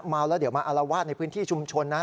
เมาแล้วเดี๋ยวมาอารวาสในพื้นที่ชุมชนนะ